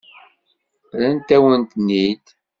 Rrant-awen-ten-id?